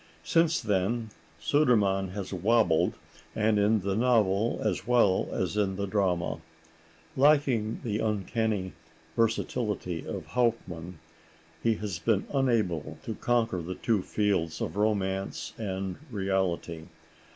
Since then Sudermann has wobbled, and in the novel as well as in the drama. Lacking the uncanny versatility of Hauptmann, he has been unable to conquer the two fields of romance and reality.